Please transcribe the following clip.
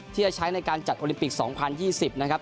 ที่จะใช้ในการจัดโอลิมปิก๒๐๒๐นะครับ